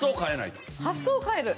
発想を変える。